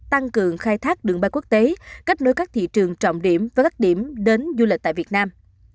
tăng cường khai thác đường bay quốc tế kết nối các thị trường trọng điểm với các điểm đến du lịch tại việt nam